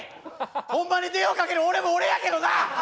ほんまに電話かける俺も俺やけどな！